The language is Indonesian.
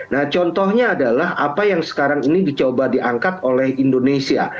nah contohnya adalah apa yang sekarang ini dicoba diangkat oleh indonesia